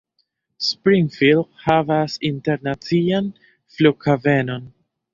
Springfield havas internacian flughavenon.